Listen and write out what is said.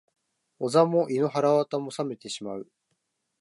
お座も胃の腑も冷めてしまう